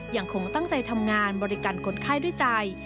ยังคงตั้งใจทำงานบริการคนไข้ด้วยใจ